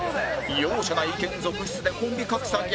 容赦ない意見続出でコンビ格差逆転？